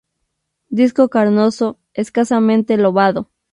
Disco carnoso, escasamente lobado.